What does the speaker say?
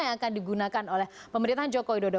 yang akan digunakan oleh pemerintahan joko widodo